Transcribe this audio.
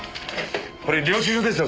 これ領収書ですよ。